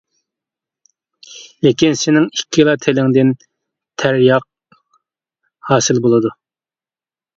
لېكىن سېنىڭ ئىككىلا تىلىڭدىن تەرياق ھاسىل بولىدۇ.